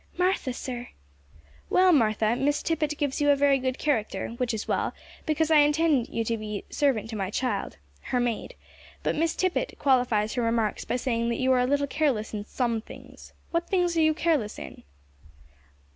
"Martha, sir." "Well, Martha, Miss Tippet gives you a very good character which is well, because I intend you to be servant to my child her maid; but Miss Tippet qualifies her remarks by saying that you are a little careless in some things. What things are you careless in?"